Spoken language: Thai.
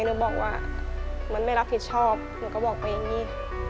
หนูบอกว่ามันไม่รับผิดชอบหนูก็บอกไปอย่างนี้